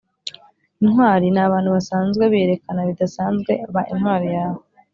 intwari ni abantu basanzwe biyerekana bidasanzwe. ba intwari yawe.